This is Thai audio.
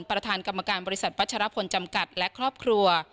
ประธานกรรมการบริษัทวัชรพลจำกัดและครอบครัว